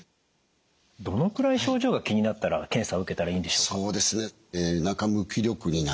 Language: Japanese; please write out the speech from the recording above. どのくらい症状が気になったら検査を受けたらいいんでしょうか？